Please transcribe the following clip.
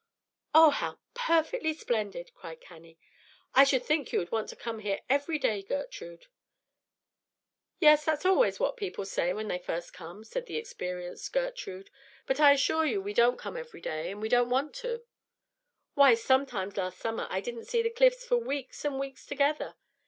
"Oh, how perfectly splendid!" cried Cannie. "I should think you would come here every day, Gertrude." "Yes, that's what people always say when they first come," said the experienced Gertrude. "But I assure you we don't come every day, and we don't want to. Why, sometimes last summer I didn't see the Cliffs for weeks and weeks together.